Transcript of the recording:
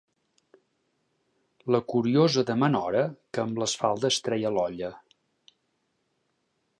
La curiosa de ma nora, que amb les faldes treia l'olla.